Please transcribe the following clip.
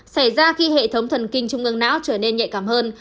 xảy ra khi hệ thống thần kinh trung ương não trở nên nhạy cảm hơn